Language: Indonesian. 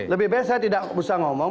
lebih baik saya tidak bisa ngomong